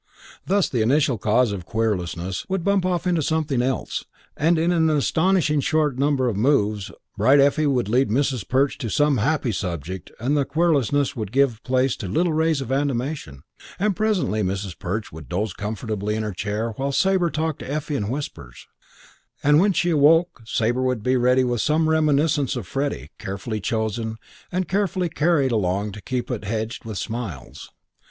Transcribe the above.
Thus the initial cause of querulousness would bump off into something else; and in an astonishing short number of moves Bright Effie would lead Mrs. Perch to some happy subject and the querulousness would give place to little rays of animation; and presently Mrs. Perch would doze comfortably in her chair while Sabre talked to Effie in whispers; and when she woke Sabre would be ready with some reminiscence of Freddie carefully chosen and carefully carried along to keep it hedged with smiles.